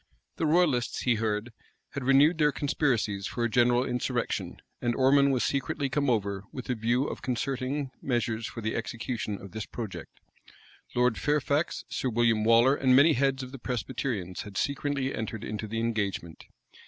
The royalists, he heard, had renewed their conspiracies for a general insurrection; and Ormond was secretly come over with a view of concerting measures for the execution of this project. Lord Fairfax, Sir William Waller, and many heads of the Presbyterians, had secretly entered into the engagement.